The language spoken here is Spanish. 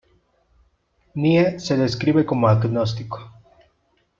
Nye se describe como agnóstico.